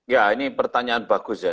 ya ini pertanyaan bagus ya